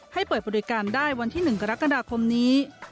ให้เปิดบริการได้วันที่๑กรกฎาคมนี้